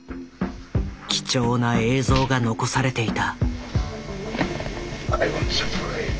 貴重な映像が残されていた。